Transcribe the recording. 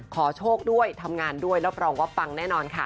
โชคด้วยทำงานด้วยรับรองว่าปังแน่นอนค่ะ